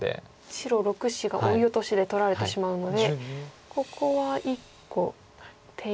白６子がオイオトシで取られてしまうのでここは１個手入れが必要と。